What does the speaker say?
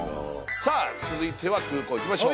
さあ続いては空港いきましょう。